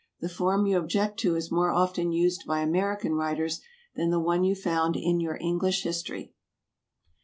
The form you object to is more often used by American writers than the one you found in your English history.